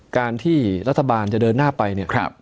การที่รัฐบาลจะเดินหน้าไปเนี่ย